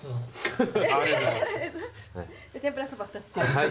はい。